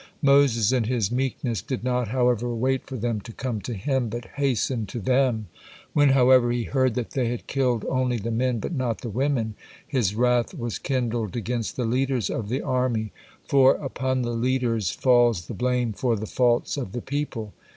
Moses in his meekness did not, however, wait for them to come to him, but hastened to them. When, however, he heard that they had killed only the men but not the women, his wrath was kindled against the leaders of the army, for, "Upon the leaders falls the blame for the faults of the people."